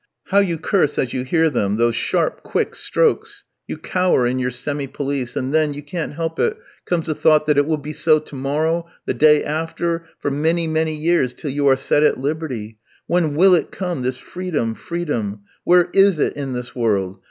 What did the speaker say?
How you curse as you hear them, those sharp, quick strokes; you cower in your semi pelisse, and then you can't help it comes the thought that it will be so to morrow, the day after, for many, many years, till you are set at liberty. When will it come, this freedom, freedom? Where is it in this world?